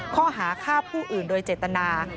ข้อหาฆ่าผู้อื่นโดยเจตนา